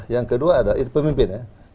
yang kedua adalah pemimpin